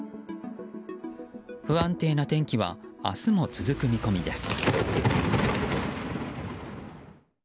不安定な天気は明日も続く見込みです。